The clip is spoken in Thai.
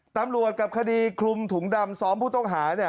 ตำรวจกับคดีคลุมถุงดำซ้อมผู้ต้องหา